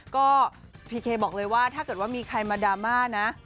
ก็พีเคบอกเลยว่าถ้าเกิดว่ามีใครมาดราม่านะ